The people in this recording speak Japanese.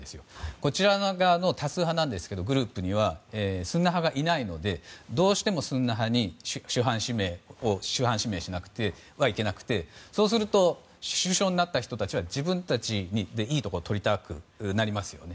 こちら側が多数派なんですけどスンニ派がいないのでどうしてもスンニ派に首班指名しなくてはいけなくてそうすると首相になった人は自分たちでいいところをとりたくなりますね。